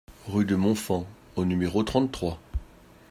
Rue de Montfand au numéro trente-trois